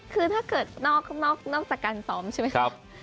คือถ้าเกิดนอกข้างนอกจากการซ้อมใช่ไหมครับ